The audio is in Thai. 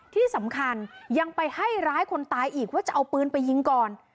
ที่สำคัญยังไปให้ร้ายคนตายอีกว่าจะเอาปืนไปยิงก่อน